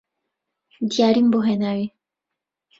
دیاریم بۆ هێناوی